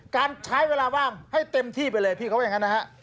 การใช้เวลาว่างให้เต็มที่ไปเลยพี่เขาว่าอย่างนั้นนะฮะ